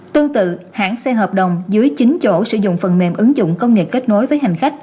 tương tự hãng xe hợp đồng dưới chín chỗ sử dụng phần mềm ứng dụng công nghệ kết nối với hành khách